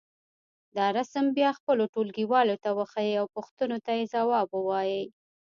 دا رسم بیا خپلو ټولګيوالو ته وښیئ او پوښتنو ته یې ځواب ووایئ.